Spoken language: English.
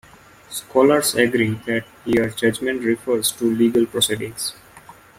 Scholars agree that here judgment refers to legal proceedings.